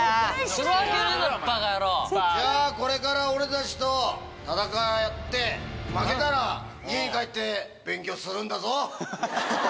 じゃあこれから俺たちと戦いをやって負けたら家に帰って勉強するんだぞ。